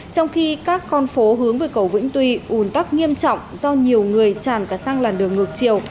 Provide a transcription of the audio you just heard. trong khi các con phố hướng về cầu vĩnh tuy ùn tắc nghiêm trọng do nhiều người tràn cả sang làn đường ngược chiều